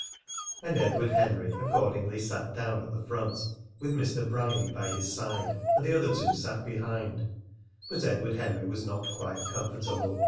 And Edward Henry accordingly sat down at the front, with Mr. Bryany by his side; and the other two sat behind. But Edward Henry was not quite comfortable.